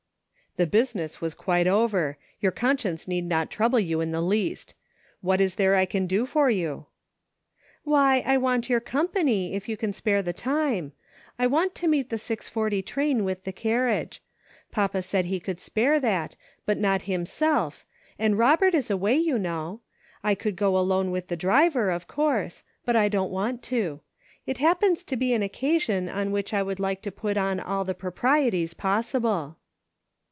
" The business was quite over ; your conscience HOME. 293 need not trouble you in the least. What is there I can do for you .''"" Why, I want your company, if you can spare the time. I want to meet the six forty train with the carriage ; papa said he could spare that, buS not himself, and Robert is away, you know. I could go alone with the driver, of course, but I don't want to ; it happens to be an occasion on which I would like to put on all the proprieties possible."